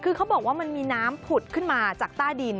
คือเขาบอกว่ามันมีน้ำผุดขึ้นมาจากใต้ดิน